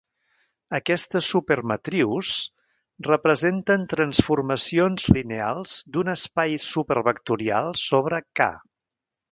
Aquestes super-matrius representen transformacions lineals d'un espai super vectorial sobre "K".